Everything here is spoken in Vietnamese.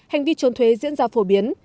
hành vi trốn thuế diễn ra phổ biến